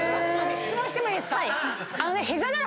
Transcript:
質問してもいいですか？